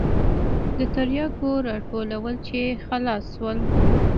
د ترياکو راټولول چې خلاص سول.